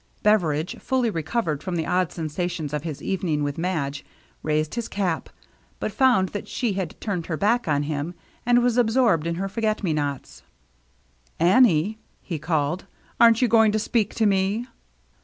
Beveridge, fully re covered from the odd sensations of his evening with Madge, raised his cap, but found that she had turned her back on him and was absorbed in her forget me nots. "Annie," he called, "aren't you going to speak to me?"